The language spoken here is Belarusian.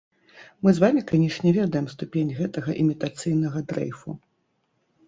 Мы з вамі, канешне, ведаем ступень гэтага імітацыйнага дрэйфу.